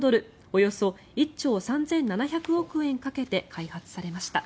およそ１兆３７００億円かけて開発されました。